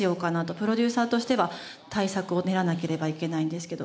プロデューサーとしては対策を練らなければいけないんですけど。